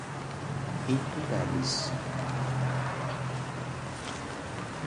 imputados